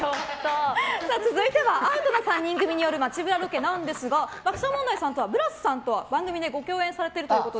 続いてはアートな３人組による街ブラロケなんですが爆笑問題さんとブラスさんは番組でご共演されてると。